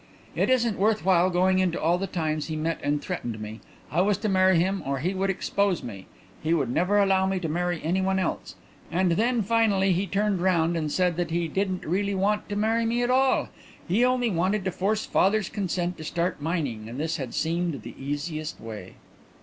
"It isn't worth while going into all the times he met and threatened me. I was to marry him or he would expose me. He would never allow me to marry anyone else. And then finally he turned round and said that he didn't really want to marry me at all; he only wanted to force father's consent to start mining and this had seemed the easiest way."